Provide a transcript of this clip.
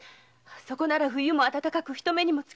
そこなら冬も暖かく人目にもつきません。